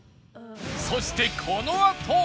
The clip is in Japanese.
そしてこのあと